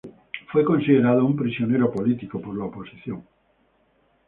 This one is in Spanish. Fue considerado un prisionero político por la oposición.